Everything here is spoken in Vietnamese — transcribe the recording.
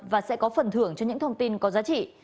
và sẽ có phần thưởng cho những thông tin có giá trị